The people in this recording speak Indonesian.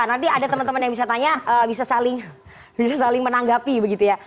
nanti ada teman teman yang bisa tanya bisa saling menanggapi begitu ya